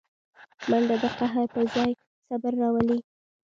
منډه د قهر پر ځای صبر راولي